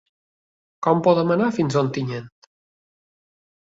Com podem anar fins a Ontinyent?